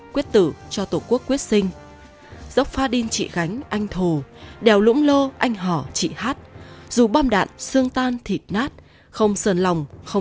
quyết tử cho tổ quốc quyết sinh